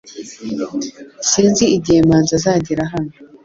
Sinzi igihe manzi azagera hano